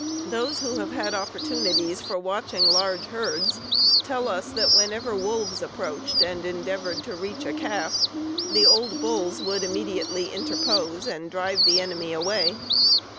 Those who have had opportunities for watching large herds tell us that whenever wolves approached and endeavored to reach a calf the old bulls would immediately interpose and drive the enemy away.